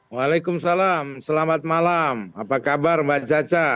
waalaikumsalam selamat malam apa kabar mbak caca